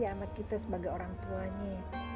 anak kita sebagai orang tuanya